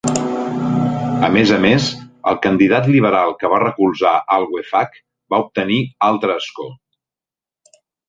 A més a més, el candidat liberal que va recolzar Al-Wefaq va obtenir altre escó.